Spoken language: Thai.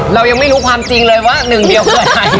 เรายังไม่รู้ความจริงเลยว่าหนึ่งเดียวคืออะไร